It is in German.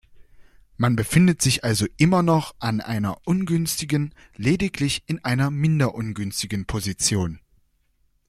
Man befindet sich also immer noch ein einer ungünstigen, lediglich in einer minder-ungünstigen Position.